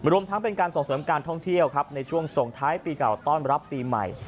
รวมทั้งเป็นการส่งเสริมการท่องเที่ยวครับในช่วงส่งท้ายปีเก่าต้อนรับปีใหม่